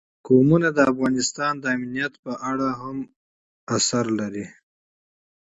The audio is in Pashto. قومونه د افغانستان د امنیت په اړه هم اغېز لري.